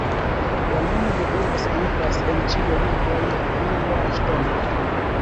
La nomo de urbo signifas en ĉiuj lingvoj Blua Ŝtono.